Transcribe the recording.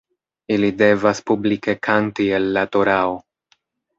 Ili devas publike kanti el la torao.